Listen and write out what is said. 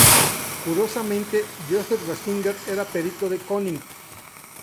Curiosamente Joseph Ratzinger era perito de König.